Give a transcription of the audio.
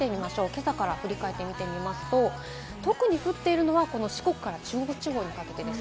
今朝から振り返って見てみますと、特に降っているのはこの四国から中国地方にかけてです。